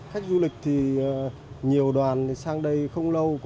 khách du lịch thì nhiều đoàn sang đây không lâu